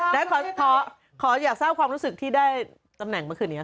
และขออยากทราบความรู้สึกที่ได้ตำแหน่งเมื่อคืนนี้ค่ะ